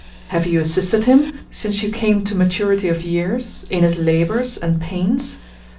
Have you assisted him, since you came to maturity of years, in his labors and pains?